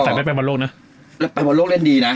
แต่ไปบนโลกนะไปบนโลกเล่นดีนะ